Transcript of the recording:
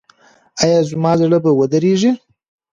ایا زما زړه به ودریږي؟